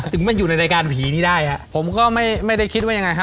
ถึงมาอยู่ในรายการผีนี้ได้ฮะผมก็ไม่ไม่ได้คิดว่ายังไงฮะ